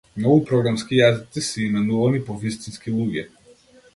Многу програмски јазици се именувани по вистински луѓе.